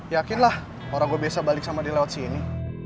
biasa balik sama dia lewat sini